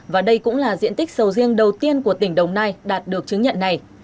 và đây cũng là diện tích sầu riêng đầu tiên của tỉnh đồng nai đạt được chứng nhận này